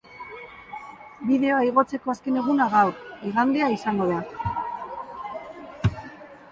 Bideoa igotzeko azken eguna gaur, igandea izango da.